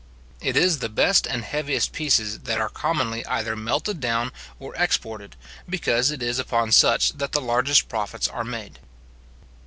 It is the best and heaviest pieces that are commonly either melted down or exported, because it is upon such that the largest profits are made.